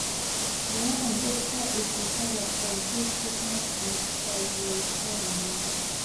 Their ancestor is recovered from his sickness and has returned.